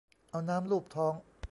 เอาน้ำลูบท้อง